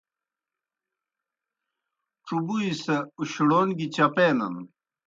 ڇُبُوئے سہ اُشڑَون گیْ چپینَن۔